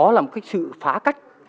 đó là một cái sự phá cách